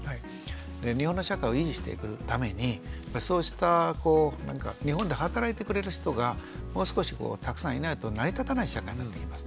日本の社会を維持していくためにそうした日本で働いてくれる人がもう少したくさんいないと成り立たない社会になってきます。